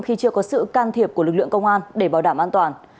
khi chưa có sự can thiệp của lực lượng công an để bảo đảm an toàn